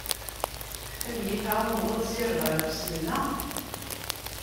Ad yi-tεawneḍ ad ssirdeɣ iqeslan-a?